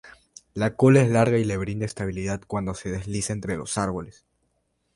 La cola es larga y le brinda estabilidad cuando se desliza entre los árboles.